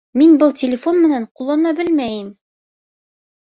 Мин был телефон менән ҡуллана белмәйем